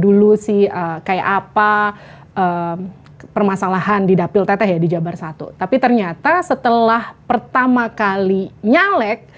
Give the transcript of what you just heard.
dulu sih kayak apa permasalahan di dapil teteh ya di jabar satu tapi ternyata setelah pertama kali nyalek